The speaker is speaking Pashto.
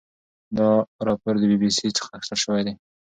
دا راپور د بي بي سي څخه اخیستل شوی دی.